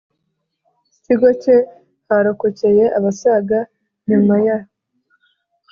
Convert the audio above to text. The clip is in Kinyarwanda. Kigo cye harokokeye abasaga nyuma ya